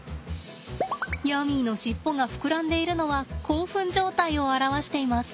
ヤミーの尻尾が膨らんでいるのは興奮状態を表しています。